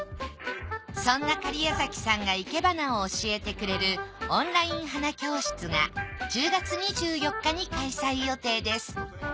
そんな假屋崎さんが生け花を教えてくれるオンライン花教室が１０月２４日に開催予定です